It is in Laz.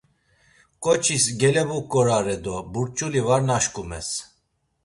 Ǩoçis geleboǩorare do burç̌uli var naşkumes.